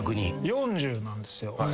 ４０なんですよ。